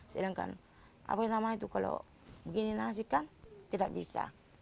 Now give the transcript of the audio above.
sedangkan apa yang namanya itu kalau begini nasikan tidak bisa